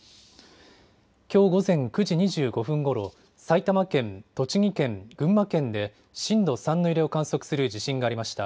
きょう午前９時２５分ごろ、埼玉県、栃木県、群馬県で震度３の揺れを観測する地震がありました。